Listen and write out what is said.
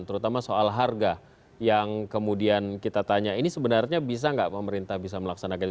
terutama soal harga yang kemudian kita tanya ini sebenarnya bisa nggak pemerintah bisa melaksanakan